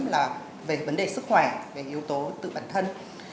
cái thứ ba là về vấn đề sức khỏe về yếu tố tự bản thân